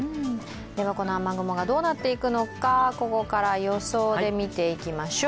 では、この雨雲がどうなっていくのか、ここから予想で見ていきましょう。